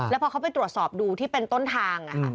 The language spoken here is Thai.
แล้วพอเขาไปตรวจสอบดูที่เป็นต้นทาง